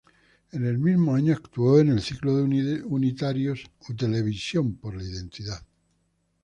En el mismo año actuó en el ciclo de unitarios "Televisión por la identidad".